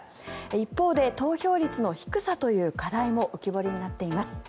一方で投票率の低さという課題も浮き彫りになっています。